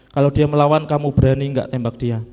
kalau dia melawan kamu berani enggak tembak dia